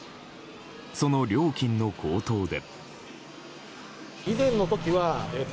その料金の高騰で。